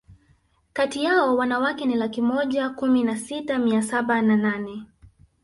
kati yao wanawake ni laki moja kumi na sita mia saba na nane